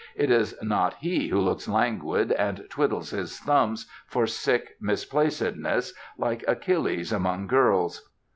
It is not he who looks languid, and twiddles his thumbs for sick misplacedness, like Achilles among girls.